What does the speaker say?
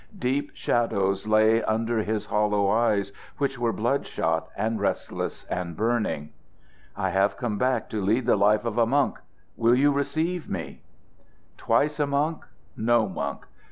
Deep shadows lay under his hollow eyes, which were bloodshot and restless and burning. "I have come back to lead the life of a monk. Will you receive me?" "Twice a monk, no monk.